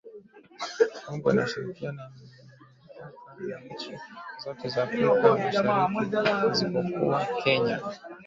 Kongo inashirikiana mipaka na nchi zote za Afrika Mashariki isipokuwa Kenya